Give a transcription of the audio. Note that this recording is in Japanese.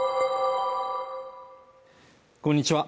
こんにちは